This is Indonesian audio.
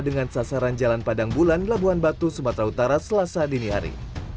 dengan sasaran jalan padang bulan labuan batu sumatera utara selasa dini hari